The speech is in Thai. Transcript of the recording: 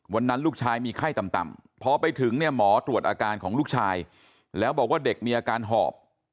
วันนั้นลูกชายมีไข้ต่ำพอไปถึงเนี่ยหมอตรวจอาการของลูกชายแล้วบอกว่าเด็กมีอาการหอบ